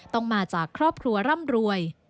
ต้องมาจากครอบครัวร่ำรวย